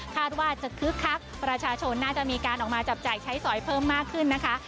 คาดว่าจะคึกคักประชาชนน่าจะมีการออกมาจับจ่ายใช้สอยเพิ่มมากขึ้นนะคะ